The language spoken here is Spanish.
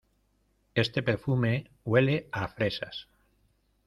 Este perfume huele a fresas